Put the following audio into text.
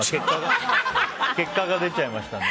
結果が出ちゃいましたので。